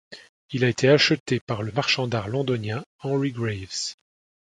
Il a été acheté par le marchand d'art londonien Henry Graves.